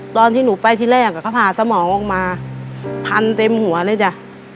ตอนที่หนูไปที่แรกเขาผ่าสมองออกมาพันเต็มหัวเลยจ้ะ